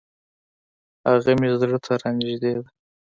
هغه مي زړه ته را نژدې ده .